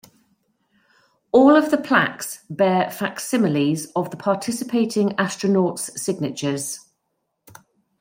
All of the plaques bear facsimiles of the participating astronauts' signatures.